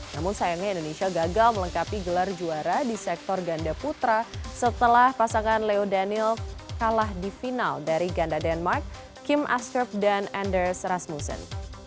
namun sayangnya indonesia gagal melengkapi gelar juara di sektor ganda putra setelah pasangan leo daniel kalah di final dari ganda denmark kim askerp dan anders rasmussen